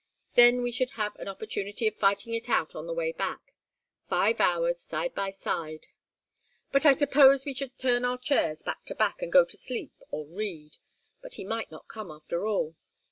Then we should have an opportunity of fighting it out on the way back. Five hours, side by side but I suppose we should turn our chairs back to back and go to sleep or read. But he might not come, after all.